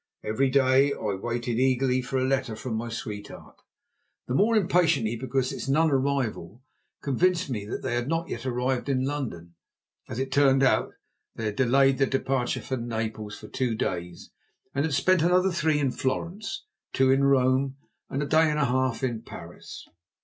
Every day I waited eagerly for a letter from my sweetheart, the more impatiently because its non arrival convinced me that they had not yet arrived in London. As it turned out, they had delayed their departure from Naples for two days, and had spent another three in Florence, two in Rome, and a day and a half in Paris.